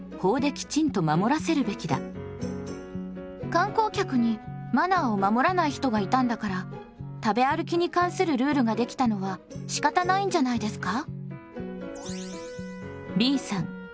観光客にマナーを守らない人がいたんだから食べ歩きに関するルールができたのはしかたないんじゃないですか？